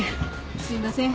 すいません。